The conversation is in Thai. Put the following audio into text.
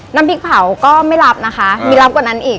น้ำพริกเผาก็ไม่รับนะคะมีรับกว่านั้นอีก